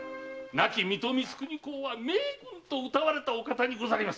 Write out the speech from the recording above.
亡き水戸光圀公は名君と謳われたお方にございます。